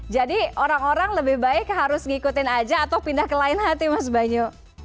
jadi orang orang lebih baik harus ngikutin aja atau pindah ke lain hati mas banyu